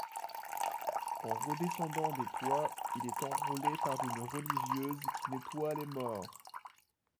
En redescendant des toits, il est enrôlé par une religieuse qui nettoie les morts.